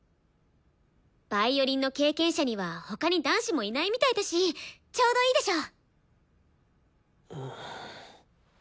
ヴァイオリンの経験者には他に男子もいないみたいだしちょうどいいでしょ。